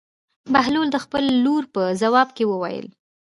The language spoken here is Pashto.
بهلول د خپلې لور په ځواب کې وویل.